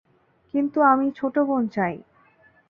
কিন্তু আমি ছোটোবোন চাই।